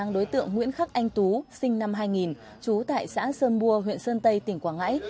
đối tượng nguyễn khắc anh tú sinh năm hai nghìn trú tại xã sơn bua huyện sơn tây tỉnh quảng ngãi